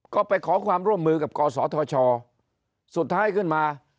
ก็ไปขอความร่วมมือกับกศธชสุดท้ายขึ้นมา